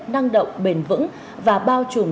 năng động bền vững và bao trùm